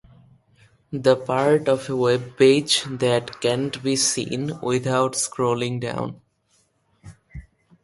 The part of a webpage that can't be seen without scrolling down.